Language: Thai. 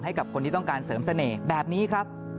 ให้กับคนที่ต้องการเสริมเสน่ห์แบบนี้ครับ